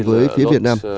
với phía việt nam